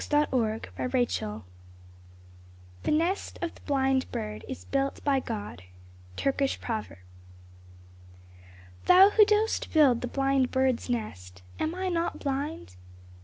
THE BLIND BIRD'S NEST " The nest of the blind bird is built by God." — Turkish Proverb. Thou who dost build the blind bird's nest, Am I not blind